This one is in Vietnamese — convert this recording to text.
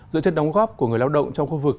dựa chất đóng góp của người lao động trong khu vực